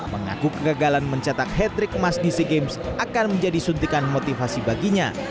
mengaku kegagalan mencetak hat trick emas di sea games akan menjadi suntikan motivasi baginya